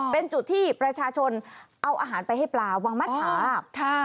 เป็นจุดที่ประชาชนเอาอาหารไปให้ปลาวางมัชชา